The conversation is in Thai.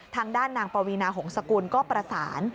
ทางด้านนางปวีนาหงษกุลก็ประสาน